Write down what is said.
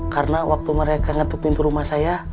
karena waktu mereka ngetuk pintu rumah saya